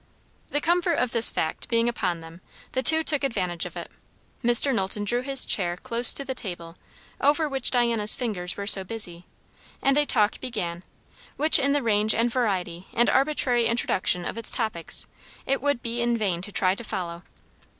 The comfort of this fact being upon them, the two took advantage of it. Mr. Knowlton drew his chair close to the table over which Diana's fingers were so busy; and a talk began, which in the range and variety and arbitrary introduction of its topics, it would be in vain to try to follow.